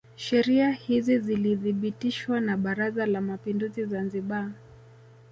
Sheria hizi zilithibitishwa na Baraza la Mapinduzi Zanzibar